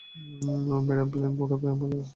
Madam plane উড়াবে, আমরা রাস্তায় ঘুমাব।